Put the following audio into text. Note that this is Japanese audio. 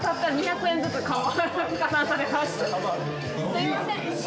すいません。